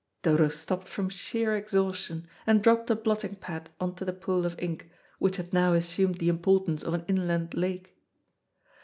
Dodo stopped from sheer exhaustion, and dropped a blotting pad on to the pool of ink, which had now assumed the importance of an inland lake.